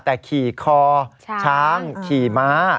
แต่ขี่คอช้างขี่ม้า